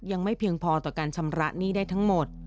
ยังไม่เพียงพอต่อการชำระหนี้ได้ทั้งหมด